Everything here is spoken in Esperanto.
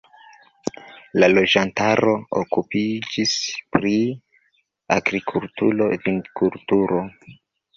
La loĝantaro okupiĝis pri agrikulturo, vinkulturo.